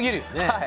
はい。